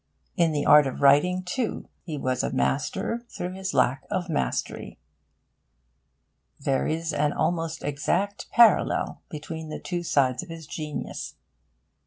In the art of writing, too, he was a master through his lack of mastery. There is an almost exact parallel between the two sides of his genius.